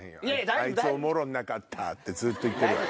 「あいつおもろなかった」ってずっと言ってるわよ。